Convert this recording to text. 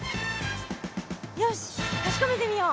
よし確かめてみよう！